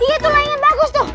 iya itu layangan bagus tuh